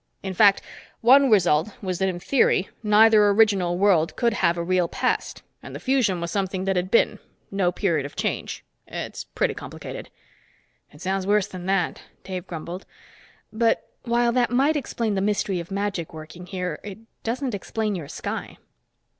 In fact, one result was that in theory, neither original world could have a real past, and the fusion was something that had been no period of change. It's pretty complicated." "It sounds worse than that," Dave grumbled. "But while that might explain the mystery of magic working here, it doesn't explain your sky."